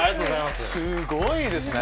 すごいですね。